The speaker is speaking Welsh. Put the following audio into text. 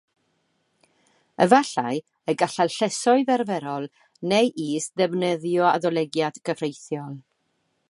Efallai y gallai'r llysoedd arferol neu is ddefnyddio adolygiad cyfreithiol.